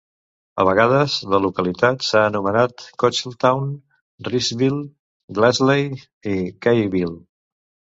A vegades la localitat s'ha anomenat Cocheltown, Reeseville, Glassley i Gaysville.